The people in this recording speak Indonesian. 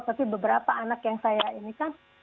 tapi beberapa anak yang saya ini kan